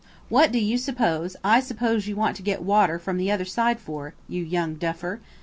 "What do you suppose I suppose you want to get water from the other side for, you young duffer!"